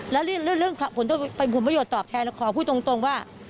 แล้วเรื่องผลประโยชน์ตอบแทนขอพูดตรงว่า